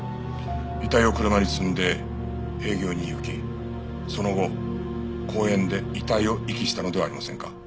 遺体を車に積んで営業に行きその後公園で遺体を遺棄したのではありませんか？